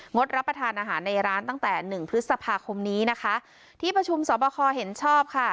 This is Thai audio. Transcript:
รับประทานอาหารในร้านตั้งแต่หนึ่งพฤษภาคมนี้นะคะที่ประชุมสอบคอเห็นชอบค่ะ